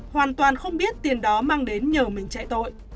hoàn toàn không biết tiền đó mang đến nhờ mình chạy tội